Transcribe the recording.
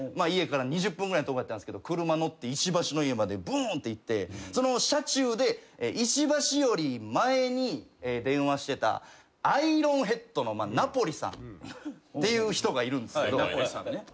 家から２０分ぐらいのとこやったんですけど車乗って石橋の家までブーンって行ってその車中で石橋より前に電話してたアイロンヘッドのナポリさんっていう人がいるんですけど。